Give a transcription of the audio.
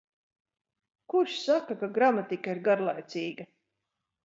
Kurš saka, ka gramatika ir garlaicīga?